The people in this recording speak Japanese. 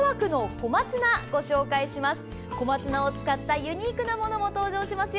小松菜を使ったユニークなものも登場しますよ。